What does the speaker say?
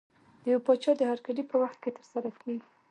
د یو پاچا د هرکلي په وخت کې ترسره کېږي.